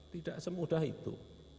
tidak semudah itu